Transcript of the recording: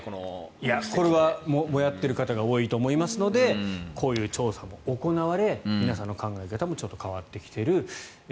これはモヤってる方が多いと思いますのでこういう調査も行われ皆さんの考え方もちょっと変わってきている。